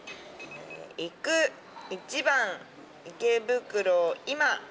「行く」「一番」「池袋」「今」。